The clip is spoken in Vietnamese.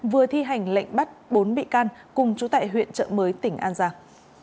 vừa thi hành lệnh bắt bốn bị can cùng chủ tại huyện chợ mới tỉnh an giang